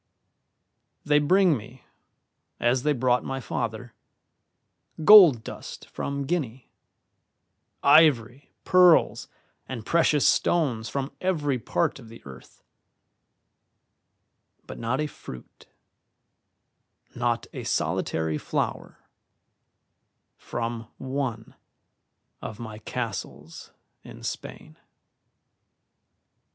"They bring me, as they brought my father, gold dust from Guinea, ivory, pearls, and precious stones from every part of the earth; but not a fruit, not a solitary flower, from one of my castles in Spain.